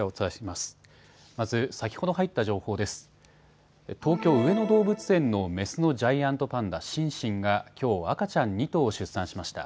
東京上野動物園のメスのジャイアントパンダ、シンシンがきょう赤ちゃん２頭を出産しました。